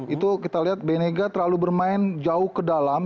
itu kita lihat benega terlalu bermain jauh ke dalam